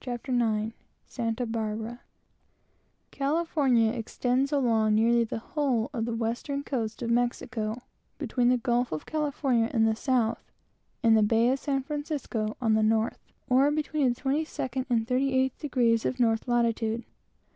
CHAPTER IX CALIFORNIA A SOUTH EASTER California extends along nearly the whole of the western coast of Mexico, between the gulf of California in the south and the bay of Sir Francis Drake on the north, or between the 22d and 38th degrees of north latitude.